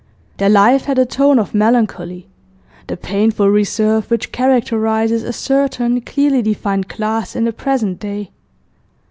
Their life had a tone of melancholy, the painful reserve which characterises a certain clearly defined class in the present day.